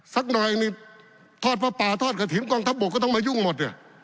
สักหน่อยนิดทอดพระป่าทอดกระถิ่นกองทัพบก็ต้องมายุ่งหมด